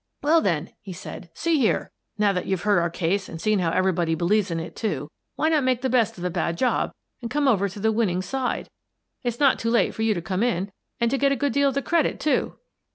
"Well, then," he said, "see here. Now that you've heard our case and seen how everybody believes in it, too, why not make the best of a bad job and come over to the winning side? It's not too late yet for you to come in and to get a good deal of the credit, too."